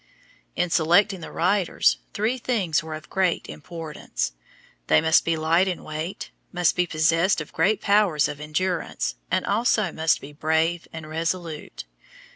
In selecting the riders three things were of great importance: they must be light in weight, must be possessed of great powers of endurance, and also must be brave and resolute.